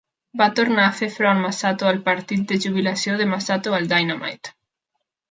Va tornar a fer front Masato al partit de jubilació de Masato al Dynamite!